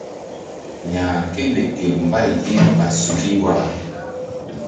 Ya ke lek gel mbay ye ɓa suki wara.